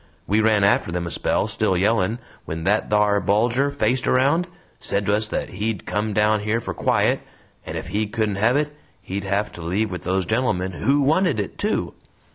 We ran after them a spell, still yellin', when that thar Bulger faced around, said to us that he'd 'come down here for quiet,' and ef he couldn't hev it he'd have to leave with those gentlemen WHO WANTED IT too!